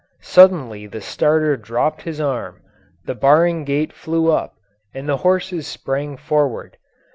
Suddenly the starter dropped his arm, the barring gate flew up, and the horses sprang forward.